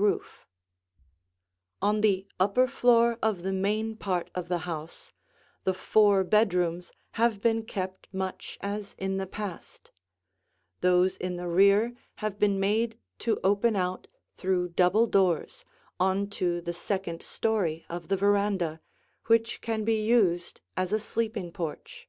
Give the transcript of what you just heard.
[Illustration: The Old fashioned Chamber] On the upper floor of the main part of the house the four bedrooms have been kept much as in the past. Those in the rear have been made to open out, through double doors, on to the second story of the veranda, which can be used as a sleeping porch.